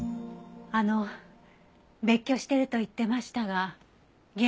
あの別居してると言ってましたが原因は？